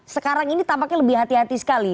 sekarang ini tampaknya lebih hati hati sekali